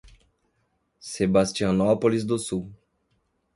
Sebastianópolis do Sul